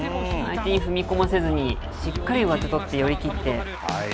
相手に踏み込ませずに、しっかり上手取って寄り切って。